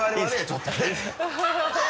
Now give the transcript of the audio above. ちょっとね。